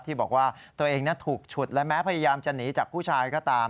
ที่บอกว่าตัวเองถูกฉุดและแม้พยายามจะหนีจากผู้ชายก็ตาม